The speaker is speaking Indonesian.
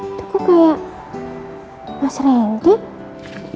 itu kok kayak mas randy